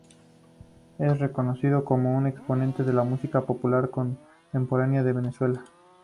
Es reconocido como un exponente de la música popular contemporánea de Venezuela.